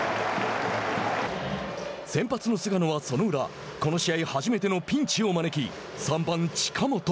先発の菅野はその裏この試合初めてのピンチを招き３番近本。